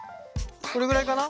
これぐらいかな。